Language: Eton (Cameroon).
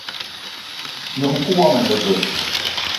Ngnom-kou woma ane veu?